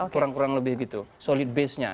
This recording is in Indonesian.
kurang kurang lebih gitu solid basenya